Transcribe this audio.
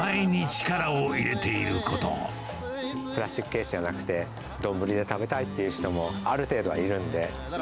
プラスチックケースじゃなくて、丼で食べたいっていう人もある程度はいるんで。